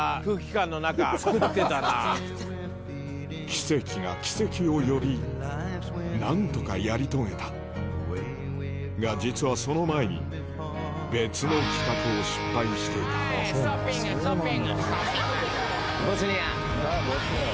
奇跡が奇跡を呼び何とかやり遂げたが実はその前に別の企画を失敗していたボスニア。